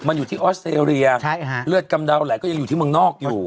มันอยู่ที่ออสเตรเลียใช่ฮะเลือดกำเดาไหลก็ยังอยู่ที่เมืองนอกอยู่